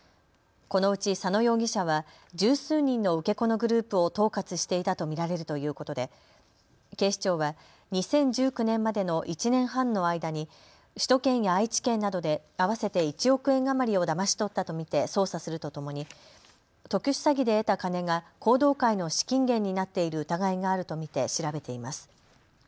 このうち佐野容疑者は十数人の受け子のグループを統括していたと見られるということで警視庁は２０１９年までの１年半の間に首都圏や愛知県などで合わせて１億円余りをだまし取ったと見て捜査するとともに特殊詐欺で得た金が弘道会の資金源になっている疑いがあると見て調べています。